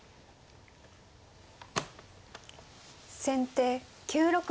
先手９六歩。